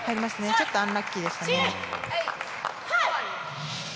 ちょっとアンラッキーでしたね。